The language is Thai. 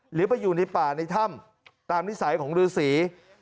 หรือไปอยู่ในป่าในถ้ำตามนิสัยของฤษี